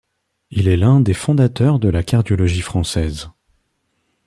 Il est l’un des fondateurs de la cardiologie française.